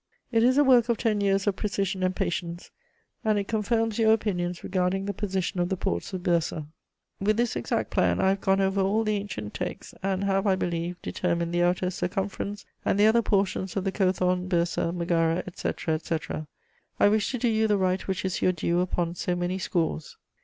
It is a work of ten years of precision and patience; and it confirms your opinions regarding the position of the ports of Byrsa. "With this exact plan I have gone over all the ancient texts, and have, I believe, determined the outer circumference and the other portions of the Cothon, Byrsa, Megara, etc., etc. I wish to do you the right which is your due upon so many scores.